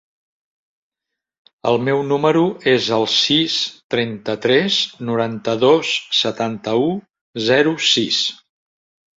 El meu número es el sis, trenta-tres, noranta-dos, setanta-u, zero, sis.